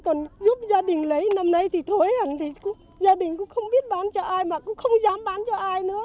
còn giúp gia đình lấy năm nay thì thôi gia đình cũng không biết bán cho ai mà cũng không dám bán cho ai nữa